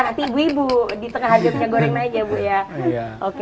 kita ngakti bu ibu di tengah hadapnya gorengnya aja bu ya